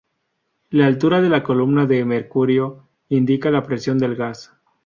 La altura de la columna de mercurio indica la presión del gas.